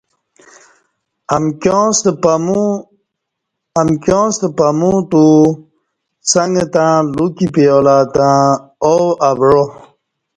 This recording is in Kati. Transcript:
امکیاں ستہ پمو اتو څݩگ تݩع لُوکِی پیالہ تہ او اوعا